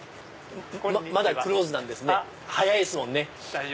まだクローズなんですね早いですもんね。